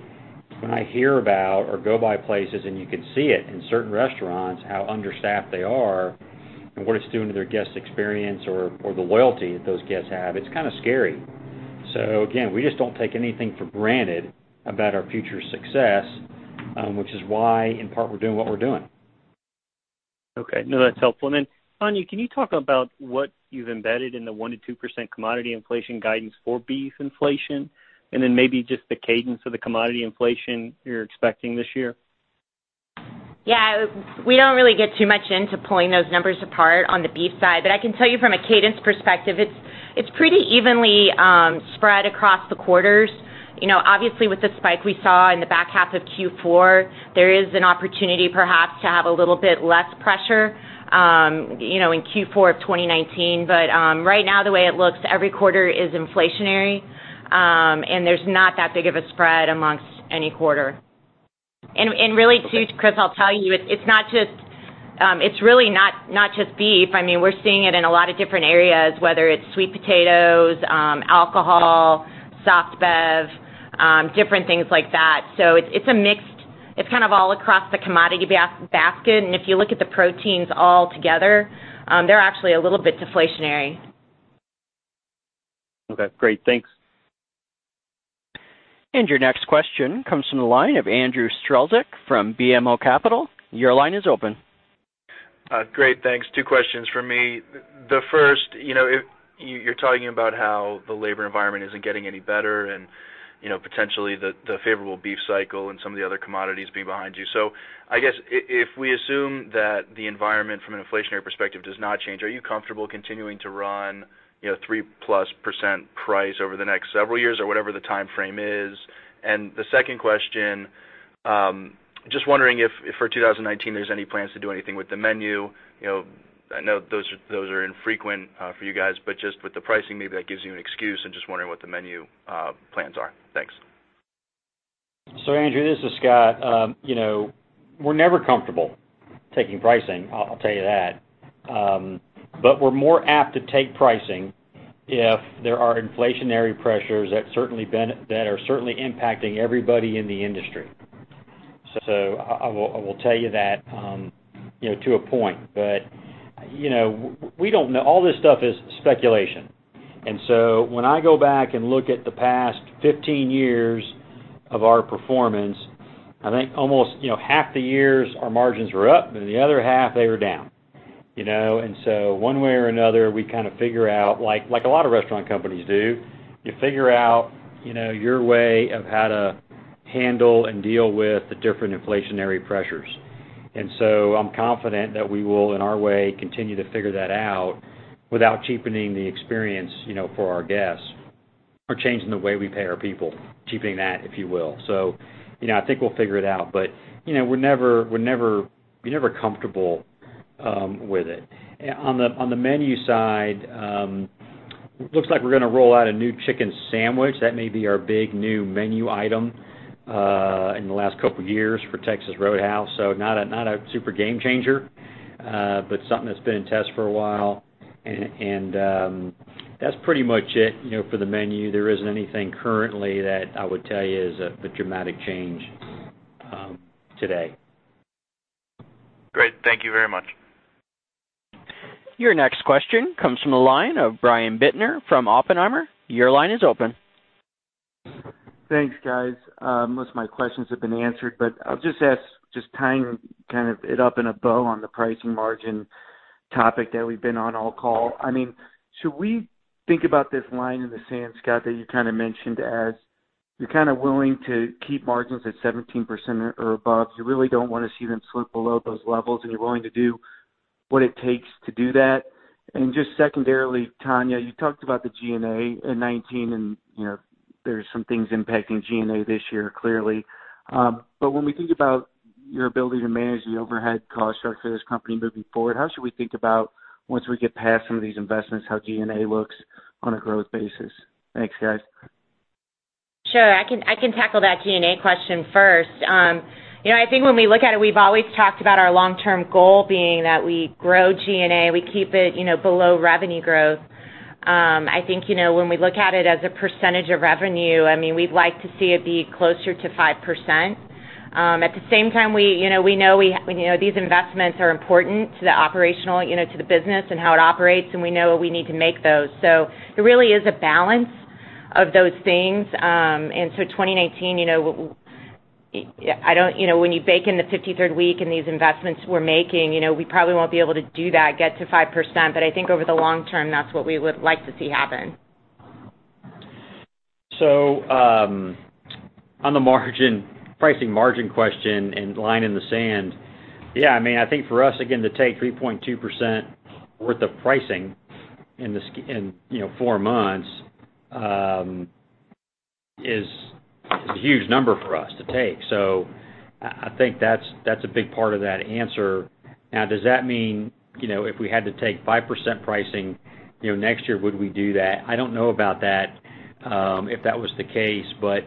S3: hear about or go by places, and you can see it in certain restaurants, how understaffed they are and what it's doing to their guest experience or the loyalty that those guests have, it's kind of scary. Again, we just don't take anything for granted about our future success, which is why, in part, we're doing what we're doing.
S10: Okay. No, that's helpful. Tonya, can you talk about what you've embedded in the 1%-2% commodity inflation guidance for beef inflation, and then maybe just the cadence of the commodity inflation you're expecting this year?
S2: Yeah. We don't really get too much into pulling those numbers apart on the beef side. I can tell you from a cadence perspective, it's pretty evenly spread across the quarters. Obviously, with the spike we saw in the back half of Q4, there is an opportunity perhaps to have a little bit less pressure in Q4 of 2019. Right now, the way it looks, every quarter is inflationary. There's not that big of a spread amongst any quarter.
S10: Okay.
S2: Really, too, Chris, I'll tell you, it's really not just beef. We're seeing it in a lot of different areas, whether it's sweet potatoes, alcohol, soft bev, different things like that. It's kind of all across the commodity basket. If you look at the proteins all together, they're actually a little bit deflationary.
S10: Okay, great. Thanks.
S1: Your next question comes from the line of Andrew Strelzik from BMO Capital. Your line is open.
S11: Great, thanks. Two questions from me. The first, you're talking about how the labor environment isn't getting any better and potentially the favorable beef cycle and some of the other commodities being behind you. I guess if we assume that the environment from an inflationary perspective does not change, are you comfortable continuing to run 3+% price over the next several years or whatever the timeframe is? The second question, just wondering if for 2019, there's any plans to do anything with the menu. I know those are infrequent for you guys, but just with the pricing, maybe that gives you an excuse. I'm just wondering what the menu plans are. Thanks.
S3: Andrew, this is Scott. We're never comfortable taking pricing, I'll tell you that. We're more apt to take pricing if there are inflationary pressures that are certainly impacting everybody in the industry. I will tell you that to a point. All this stuff is speculation. When I go back and look at the past 15 years of our performance, I think almost half the years our margins were up, and the other half they were down. One way or another, we kind of figure out, like a lot of restaurant companies do, you figure out your way of how to handle and deal with the different inflationary pressures. I'm confident that we will, in our way, continue to figure that out without cheapening the experience for our guests or changing the way we pay our people, cheapening that, if you will. I think we'll figure it out, but you're never comfortable with it. On the menu side, looks like we're going to roll out a new chicken sandwich. That may be our big new menu item in the last couple of years for Texas Roadhouse. Not a super game changer, but something that's been in test for a while. That's pretty much it for the menu. There isn't anything currently that I would tell you is a dramatic change today.
S11: Great. Thank you very much.
S1: Your next question comes from the line of Brian Bittner from Oppenheimer. Your line is open.
S12: Thanks, guys. Most of my questions have been answered, but I'll just ask, just tying it up in a bow on the pricing margin topic that we've been on all call. Should we think about this line in the sand, Scott, that you kind of mentioned as you're kind of willing to keep margins at 17% or above? You really don't want to see them slip below those levels, and you're willing to do what it takes to do that? Just secondarily, Tonya, you talked about the G&A in 2019, and there's some things impacting G&A this year, clearly. When we think about your ability to manage the overhead cost structure of this company moving forward, how should we think about once we get past some of these investments, how G&A looks on a growth basis? Thanks, guys.
S2: Sure. I can tackle that G&A question first. I think when we look at it, we've always talked about our long-term goal being that we grow G&A, we keep it below revenue growth. I think when we look at it as a percentage of revenue, we'd like to see it be closer to 5%. At the same time, we know these investments are important to the business and how it operates, and we know we need to make those. There really is a balance of those things. 2019, when you bake in the 53rd week and these investments we're making, we probably won't be able to do that, get to 5%. I think over the long term, that's what we would like to see happen.
S3: On the pricing margin question and line in the sand, yeah, I think for us, again, to take 3.2% worth of pricing in four months is a huge number for us to take. I think that's a big part of that answer. Now, does that mean, if we had to take 5% pricing next year, would we do that? I don't know about that, if that was the case, but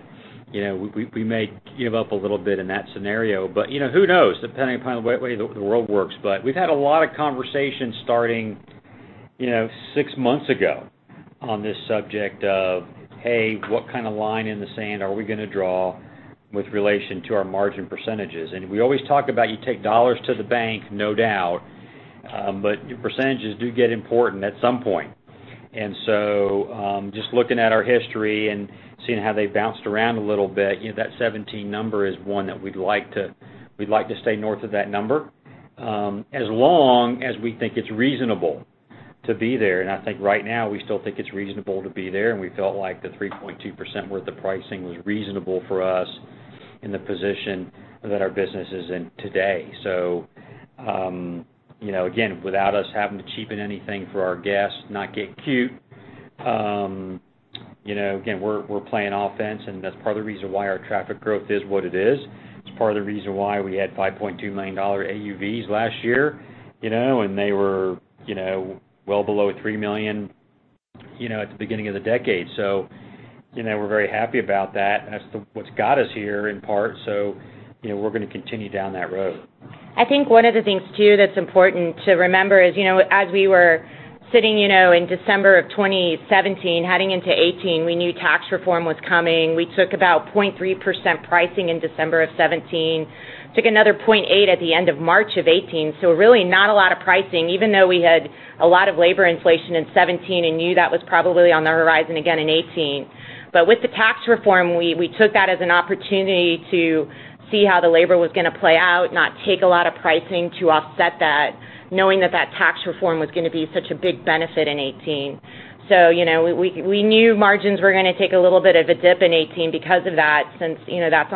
S3: we may give up a little bit in that scenario. Who knows, depending upon the way the world works. We've had a lot of conversations starting six months ago on this subject of, "Hey, what kind of line in the sand are we going to draw with relation to our margin percentages?" We always talk about you take dollars to the bank, no doubt, but your percentages do get important at some point. Just looking at our history and seeing how they've bounced around a little bit, that 17 number is one that we'd like to stay north of that number, as long as we think it's reasonable to be there. I think right now we still think it's reasonable to be there, and we felt like the 3.2% where the pricing was reasonable for us in the position that our business is in today. Again, without us having to cheapen anything for our guests, not get cute. Again, we're playing offense and that's part of the reason why our traffic growth is what it is. It's part of the reason why we had $5.2 million AUVs last year, and they were well below $3 million at the beginning of the decade. We're very happy about that, and that's what's got us here, in part, so we're going to continue down that road.
S2: I think one of the things, too, that's important to remember is, as we were sitting in December of 2017, heading into 2018, we knew tax reform was coming. We took about 0.3% pricing in December of 2017. Took another 0.8% at the end of March of 2018. Really, not a lot of pricing, even though we had a lot of labor inflation in 2017 and knew that was probably on the horizon again in 2018. With the tax reform, we took that as an opportunity to see how the labor was going to play out, not take a lot of pricing to offset that, knowing that tax reform was going to be such a big benefit in 2018. We knew margins were going to take a little bit of a dip in 2018 because of that, since that's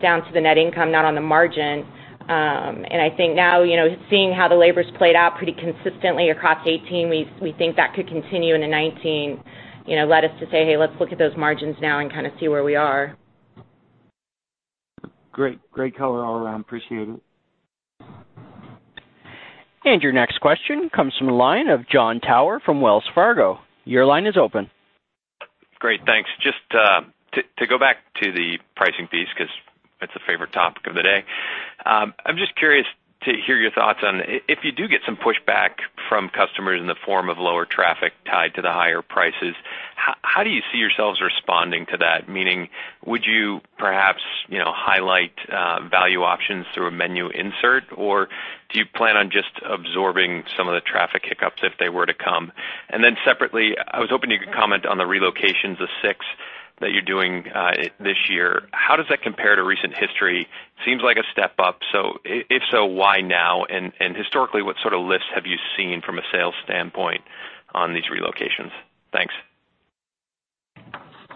S2: down to the net income, not on the margin. I think now, seeing how the labor's played out pretty consistently across 2018, we think that could continue into 2019. Led us to say, "Hey, let's look at those margins now and kind of see where we are.
S12: Great. Great color all around. Appreciate it.
S1: Your next question comes from the line of John Glass from Wells Fargo. Your line is open.
S13: Great, thanks. Just to go back to the pricing piece, because it's the favorite topic of the day. I'm just curious to hear your thoughts on if you do get some pushback from customers in the form of lower traffic tied to the higher prices, how do you see yourselves responding to that? Meaning, would you perhaps highlight value options through a menu insert, or do you plan on just absorbing some of the traffic hiccups if they were to come? Separately, I was hoping you could comment on the relocations, the 6 that you're doing this year. How does that compare to recent history? Seems like a step up. If so, why now? Historically, what sort of lifts have you seen from a sales standpoint on these relocations? Thanks.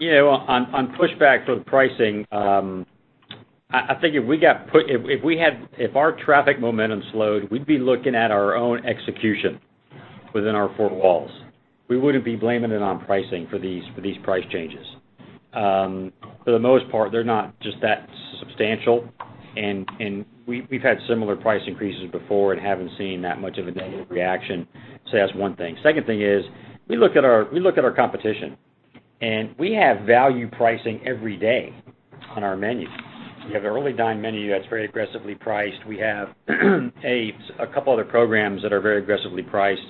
S3: On pushback for the pricing, I figure if our traffic momentum slowed, we'd be looking at our own execution within our four walls. We wouldn't be blaming it on pricing for these price changes. For the most part, they're not just that substantial, and we've had similar price increases before and haven't seen that much of a negative reaction. That's 1 thing. Second thing is, we look at our competition, and we have value pricing every day on our menu. We have an Early Dine menu that's very aggressively priced. We have a couple other programs that are very aggressively priced.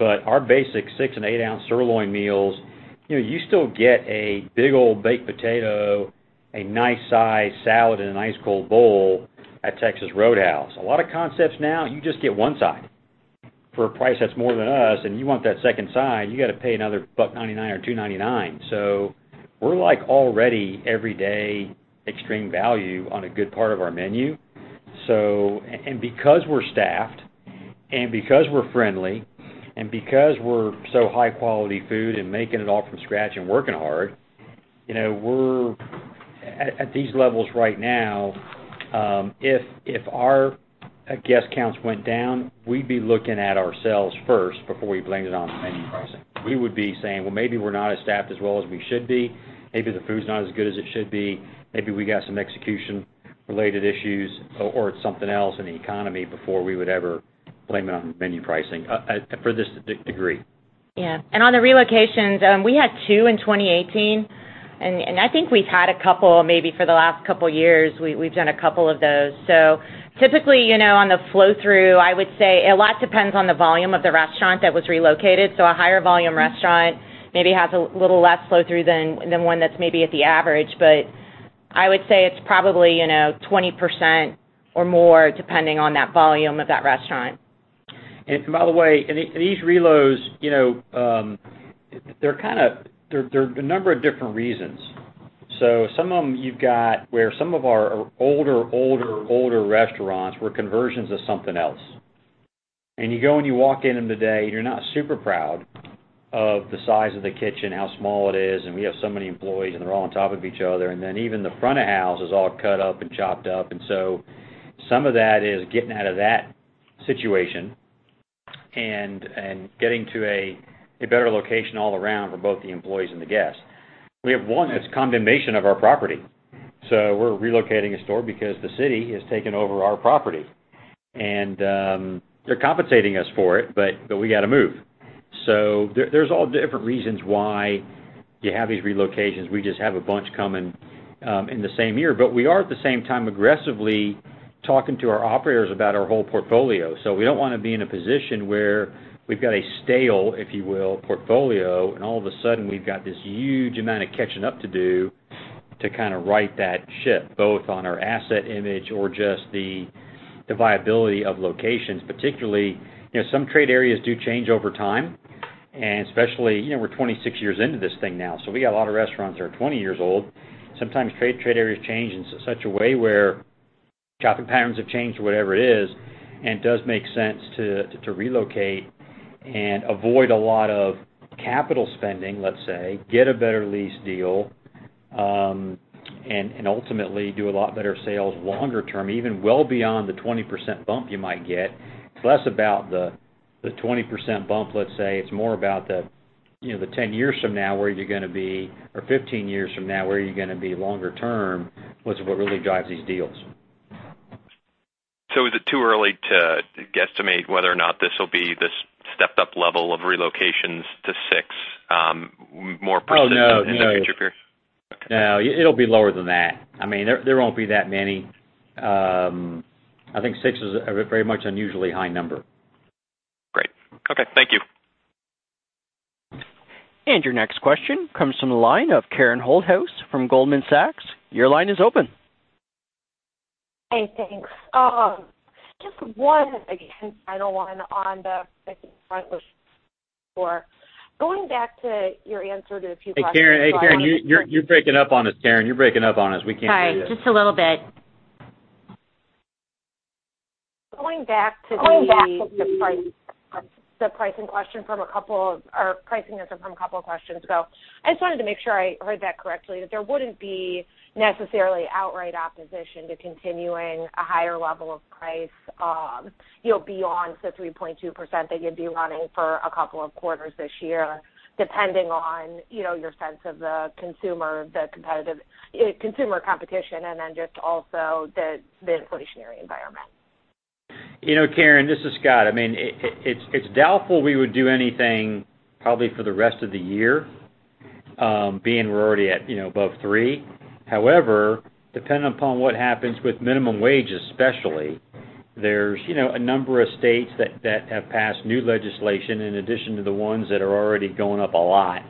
S3: Our basic six and eight-ounce sirloin meals, you still get a big old baked potato, a nice size salad in an ice cold bowl at Texas Roadhouse. A lot of concepts now, you just get 1 side for a price that's more than us, and you want that 2nd side, you got to pay another $1.99 or $2.99. We're like already everyday extreme value on a good part of our menu. Because we're staffed and because we're friendly and because we're so high quality food and making it all from scratch and working hard, we're at these levels right now. If our guest counts went down, we'd be looking at ourselves first before we blamed it on the menu pricing. We would be saying, "Well, maybe we're not as staffed as well as we should be. Maybe the food's not as good as it should be. Maybe we got some execution related issues or it's something else in the economy," before we would ever blame it on menu pricing for this degree.
S2: Yeah. On the relocations, we had 2 in 2018, and I think we've had a couple, maybe for the last couple years, we've done a couple of those. Typically, on the flow through, I would say a lot depends on the volume of the restaurant that was relocated. A higher volume restaurant maybe has a little less flow through than one that's maybe at the average, but I would say it's probably 20% or more, depending on that volume of that restaurant.
S3: By the way, these reloads, there are a number of different reasons. Some of them you've got where some of our older restaurants were conversions of something else. You go and you walk in them today, you're not super proud of the size of the kitchen, how small it is. We have so many employees, and they're all on top of each other. Even the front of house is all cut up and chopped up. Some of that is getting out of that situation and getting to a better location all around for both the employees and the guests. We have one that's condemnation of our property. We're relocating a store because the city has taken over our property. They're compensating us for it, but we got to move. There's all different reasons why you have these relocations. We just have a bunch coming in the same year. We are, at the same time, aggressively talking to our operators about our whole portfolio. We don't want to be in a position where we've got a stale, if you will, portfolio. All of a sudden, we've got this huge amount of catching up to do to right that ship, both on our asset image or just the viability of locations. Particularly, some trade areas do change over time. Especially, we're 26 years into this thing now, so we got a lot of restaurants that are 20 years old. Sometimes trade areas change in such a way where shopping patterns have changed or whatever it is. It does make sense to relocate and avoid a lot of capital spending, let's say, get a better lease deal, and ultimately do a lot better sales longer term, even well beyond the 20% bump you might get. It's less about the 20% bump, let's say. It's more about the 10 years from now, where you're going to be, or 15 years from now, where you're going to be longer term, was what really drives these deals.
S13: Is it too early to guesstimate whether or not this will be this stepped-up level of relocations to six more-
S3: Oh, no.
S13: In the future periods?
S3: No, it'll be lower than that. There won't be that many. I think six is a very much unusually high number.
S13: Great. Okay. Thank you.
S1: Your next question comes from the line of Karen Holthouse from Goldman Sachs. Your line is open.
S14: Hi, thanks. Just one, again, final one on the pricing front store. Going back to your answer to a few questions.
S3: Hey, Karen. You're breaking up on us, Karen. You're breaking up on us. We can't hear you.
S2: Sorry, just a little bit.
S14: Going back to the pricing question from a couple of questions ago, I just wanted to make sure I heard that correctly, that there wouldn't be necessarily outright opposition to continuing a higher level of price beyond the 3.2% that you'd be running for a couple of quarters this year, depending on your sense of the consumer competition, and then just also the inflationary environment.
S3: Karen, this is Scott. It's doubtful we would do anything probably for the rest of the year, being we're already above three. Depending upon what happens with minimum wage especially, there's a number of states that have passed new legislation in addition to the ones that are already going up a lot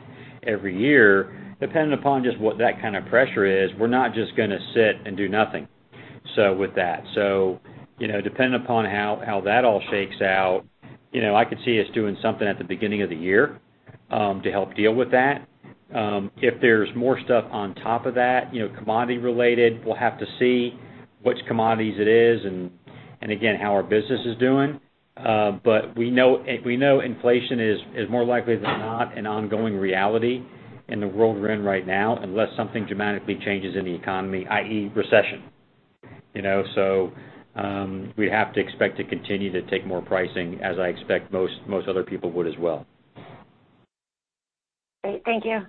S3: every year. Depending upon just what that kind of pressure is, we're not just going to sit and do nothing with that. Depending upon how that all shakes out, I could see us doing something at the beginning of the year to help deal with that. If there's more stuff on top of that, commodity related, we'll have to see which commodities it is, and again, how our business is doing. We know inflation is more likely than not an ongoing reality in the world we're in right now, unless something dramatically changes in the economy, i.e., recession. We have to expect to continue to take more pricing, as I expect most other people would as well.
S14: Great. Thank you.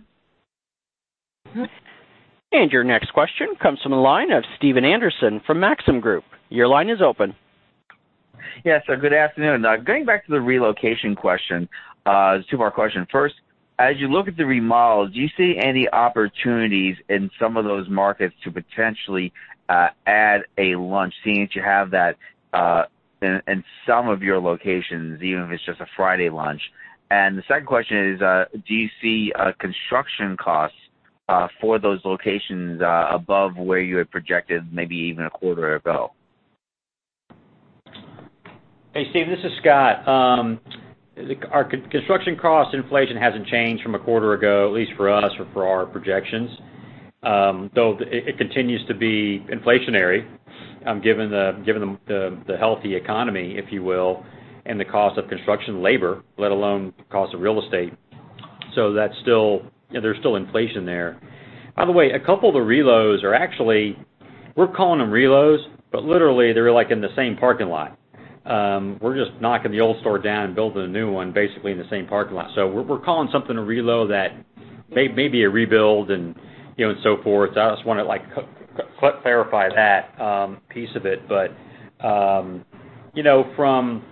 S1: Your next question comes from the line of Stephen Anderson from Maxim Group. Your line is open.
S15: Good afternoon. Going back to the relocation question, it's a two-part question. First, as you look at the remodels, do you see any opportunities in some of those markets to potentially add a lunch, seeing that you have that in some of your locations, even if it's just a Friday lunch? The second question is, do you see construction costs for those locations above where you had projected maybe even a quarter ago?
S3: Hey, Steve, this is Scott. Our construction cost inflation hasn't changed from a quarter ago, at least for us or for our projections, though it continues to be inflationary given the healthy economy, if you will, and the cost of construction labor, let alone cost of real estate. There's still inflation there. By the way, a couple of the reloads are actually, we're calling them reloads, but literally, they're in the same parking lot. We're just knocking the old store down and building a new one, basically in the same parking lot. We're calling something a reload that may be a rebuild and so forth. I just want to clarify that piece of it. From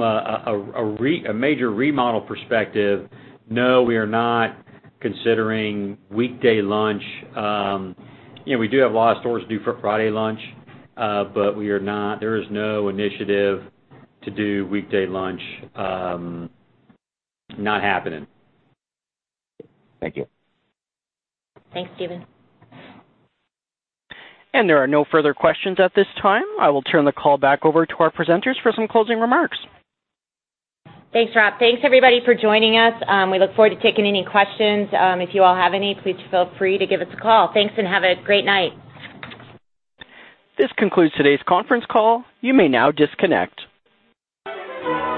S3: a major remodel perspective, no, we are not considering weekday lunch. We do have a lot of stores do Friday lunch, but there is no initiative to do weekday lunch. Not happening.
S15: Thank you.
S2: Thanks, Stephen.
S1: There are no further questions at this time. I will turn the call back over to our presenters for some closing remarks.
S2: Thanks, Rob. Thanks everybody for joining us. We look forward to taking any questions. If you all have any, please feel free to give us a call. Thanks, and have a great night.
S1: This concludes today's conference call. You may now disconnect.